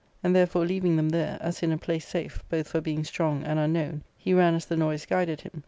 And therefore leaving them there, as in a place safe, both for being strong and un known, he ran as the noise guided him.